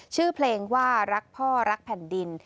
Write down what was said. ชื่อเพลงว่ารักพ่อรักแผ่นดิน